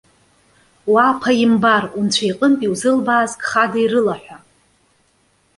Уа аԥаимбар! Унцәа иҟынтә иузылбааз гхада ирылаҳәа.